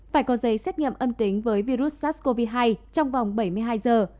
phải có giấy xét nghiệm âm tính với virus sars cov hai trong vòng bảy mươi hai giờ